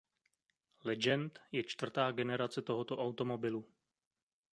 Legend je čtvrtá generace tohoto automobilu.